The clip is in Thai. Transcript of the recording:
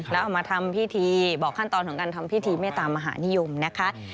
แล้วเอามาทำพิธีบอกขั้นตอนของการทำพิธีเมตตามหานิยมนะคะ